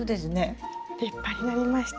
立派になりました。